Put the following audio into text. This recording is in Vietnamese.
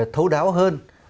thấu đáo hơn